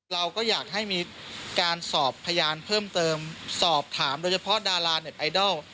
เราก็อยากให้มีการสอบพยานเพิ่มเติมสอบถามโดยเฉพาะดาราเน็ตไอดอล